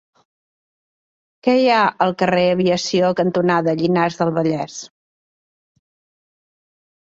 Què hi ha al carrer Aviació cantonada Llinars del Vallès?